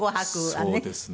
そうですね。